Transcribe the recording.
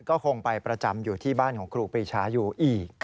ก็คงไปประจำอยู่ที่บ้านของครูปรีชาอยู่อีก